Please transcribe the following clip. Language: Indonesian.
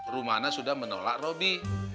rumana sudah menolak robi